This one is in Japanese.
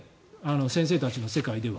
先生たちの世界では。